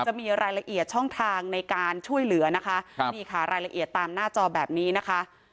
จะมีรายละเอียดช่องทางในการช่วยเหลือนะคะครับนี่ค่ะรายละเอียดตามหน้าจอแบบนี้นะคะ